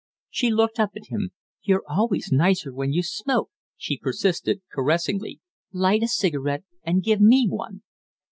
She looked up at him. "You're always nicer when you smoke," she persisted, caressingly. "Light a cigarette and give me one."